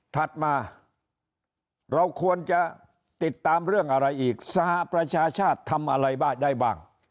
ถัดมาเราควรจะติดตามเรื่องอะไรอีกสหประชาชาติทำอะไรบ้างได้บ้าง